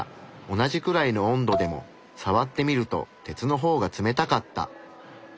同じくらいの温度でもさわってみると鉄の方が冷たかった。